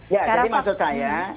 ya jadi maksud saya